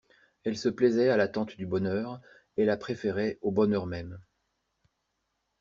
Elle se plaisait à l'attente du bonheur, et la préférait au bonheur même.